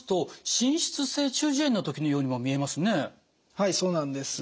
はいそうなんです。